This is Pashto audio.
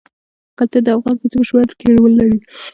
کلتور د افغان ښځو په ژوند کې رول لري.